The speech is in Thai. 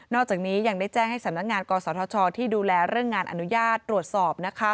อกจากนี้ยังได้แจ้งให้สำนักงานกศธชที่ดูแลเรื่องงานอนุญาตตรวจสอบ